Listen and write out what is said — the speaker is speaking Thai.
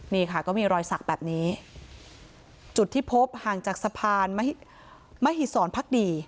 นี่ค่ะก็มีรอยสักแบบนี้จุดที่พบห่างจากสะพานมหิศรพักดี